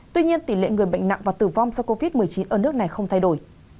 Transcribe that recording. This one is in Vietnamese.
tuy nhiên tỷ lệ người bệnh nặng và tử vong do covid một mươi chín ở nước này không thay đổi